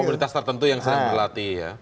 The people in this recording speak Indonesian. ada komunitas tertentu yang sering berlatih ya